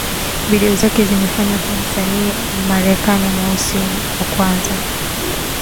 Video zake zimefanya kuwa msanii Mmarekani Mweusi wa kwanza